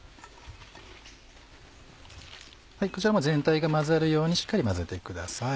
全体が混ざるようにしっかり混ぜてください。